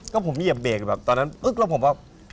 ก็ผมเหยียบเบรกแบบตอนนั้นปึ๊กแล้วผมว่า